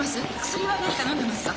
薬は何かのんでますか？